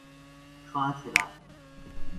刷起來